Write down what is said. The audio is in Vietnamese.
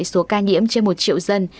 số ca nhiễm trên một triệu dân